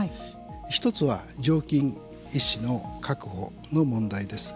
１つは常勤医師の確保の問題です。